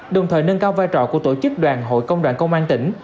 đồng thời nâng cao vai trò của tổ chức đoàn hội công đoàn công an tỉnh